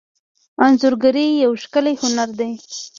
انځورګري یو ښکلی هنر دی.